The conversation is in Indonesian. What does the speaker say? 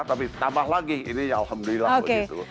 tapi tambah lagi ini ya alhamdulillah begitu